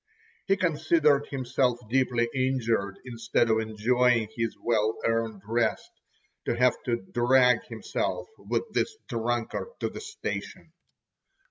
He considered himself deeply injured, instead of enjoying his well earned rest, to have to drag himself with this drunkard to the station.